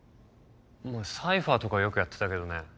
まぁサイファーとかはよくやってたけどね。